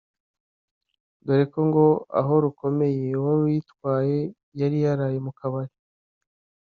dore ko ngo Ahorukomeye wari uyitwaye yari yaraye mu Kabari